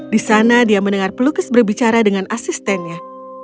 di sana dia mendengar pelukis berbicara dengan asistennya